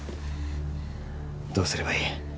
どうすればいい？